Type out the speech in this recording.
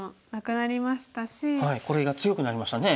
これが強くなりましたね。